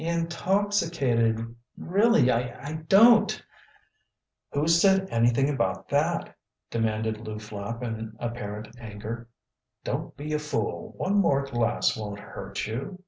"Intoxicated really I don't " "Who said anything about that?" demanded Lew Flapp in apparent anger. "Don't be a fool. One more glass won't hurt you.